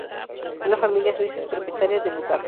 Una familia suiza es propietaria del lugar.